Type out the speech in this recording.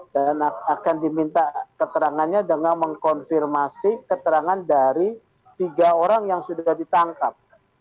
dan akan diminta keterangannya dengan mengkonfirmasi keterangan dari tiga orang yang sudah ditangkap